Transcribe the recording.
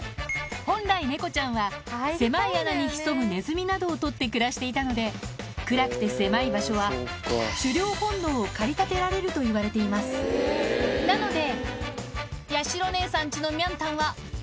本来猫ちゃんは狭い穴に潜むネズミなどを捕って暮らしていたので暗くて狭い場所は狩猟本能を駆り立てられるといわれていますなので八代姉さんちのミャンたんはあっ。